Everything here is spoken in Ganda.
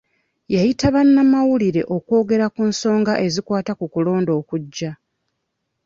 Yayita bannamawulire okwogera ku nsonga ezikwata ku kulonda okujja.